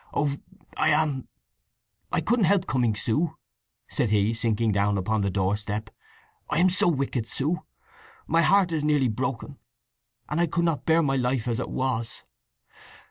"Oh, I am—I couldn't help coming, Sue!" said he, sinking down upon the doorstep. "I am so wicked, Sue—my heart is nearly broken, and I could not bear my life as it was!